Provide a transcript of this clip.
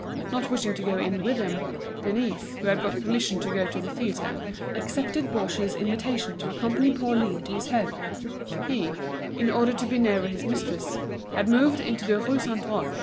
Not wishing to go in with him, Denise, who had got permission to go to the theatre, accepted Baugé's invitation to accompany Pauline to his home—he, in order to be nearer his mistress, had moved into the Rue Saint Roch.